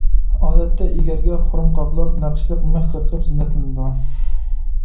ئادەتتە ئېگەرگە خۇرۇم قاپلاپ، نەقىشلىك مىخ قېقىپ زىننەتلىنىدۇ.